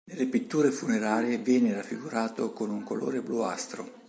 Nelle pitture funerarie viene raffigurato con un colore bluastro.